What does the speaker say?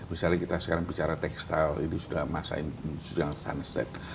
misalnya kita sekarang bicara textile ini sudah masa industri yang sunset